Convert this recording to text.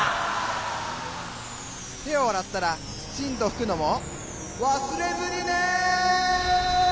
てをあらったらきちんとふくのもわすれずにね！